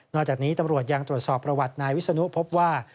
จากนี้ตำรวจยังตรวจสอบประวัตินายวิศนุพบว่า